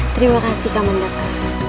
terima kasih kamon luka